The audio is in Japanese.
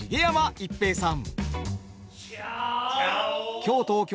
逸平さん。